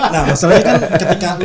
nah masalahnya kan ketika